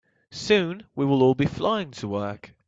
Soon, we will all be flying to work.